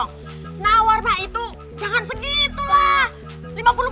nawar mah itu jangan segitulah